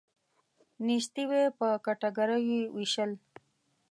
نیستي وی په کټګوریو یې ویشل.